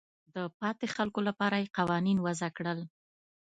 د پاتې خلکو لپاره یې قوانین وضع کړل.